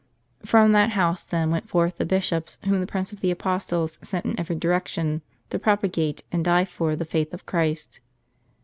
"'* From that house, then, went forth the bishops, whom the Prince of the Apostles sent in every direction, to propagate, and die for, the faith of Christ.